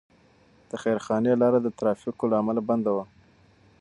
د خیرخانې لاره د ترافیکو له امله بنده وه.